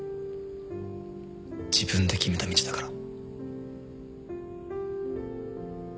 自分で決めた道だから。